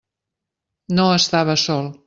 No estava sol.